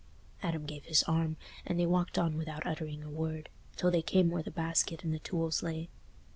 Adam gave his arm, and they walked on without uttering a word, till they came where the basket and the tools lay.